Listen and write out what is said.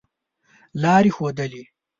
لاري ښودلې.